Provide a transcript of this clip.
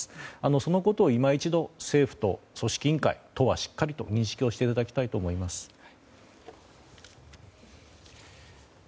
そのことを今一度政府と組織委員会、都はしっかりと認識していただきたいと思います。